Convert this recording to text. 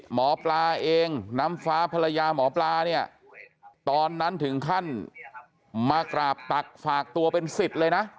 หมอปลาเองน้ำฟ้าภรรยาหมอปลาเนี่ยตอนนั้นถึงขั้นมากราบตักฝากตัวเป็นสิทธิ์เลยนะ